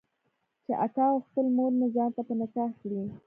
چې اکا غوښتل مورمې ځان ته په نکاح کړي.